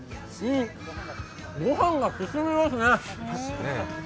御飯が進みますね。